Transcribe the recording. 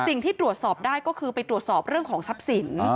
สิ่งที่ตรวจสอบได้ก็คือไปตรวจสอบเรื่องของทรัพย์สิน